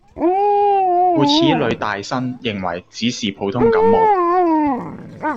故此女大生認為只是普通感冒